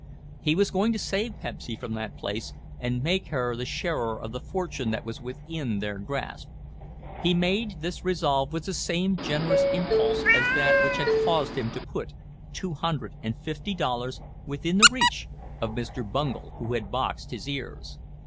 He was going to save Pepsy from that place and make her the sharer of the fortune that was within their grasp. He made this resolve with the same generous impulse as that which had caused him to put two hundred and fifty dollars within the reach of Mr. Bungel who had boxed his ears.